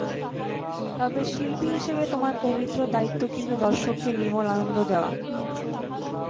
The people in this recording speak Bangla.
তবে শিল্পী হিসেবে তোমার পবিত্র দায়িত্ব কিন্তু দর্শককে নির্মল আনন্দ দেওয়া।